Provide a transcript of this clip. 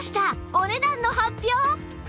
お値段の発表！